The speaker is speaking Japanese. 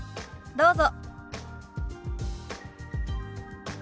どうぞ。